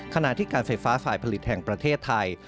ขณะที่การไฟฟ้าฝ่ายผลิตแห่งประเทศไทย